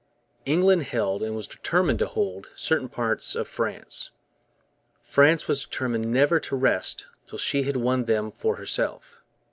England held, and was determined to hold, certain parts of France. France was determined never to rest till she had won them for herself.